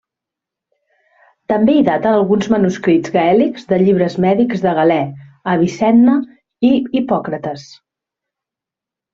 També hi daten alguns manuscrits gaèlics de llibres mèdics de Galè, Avicenna, i Hipòcrates.